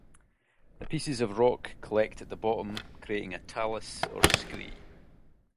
The pieces of rock collect at the bottom creating a "talus" or "scree".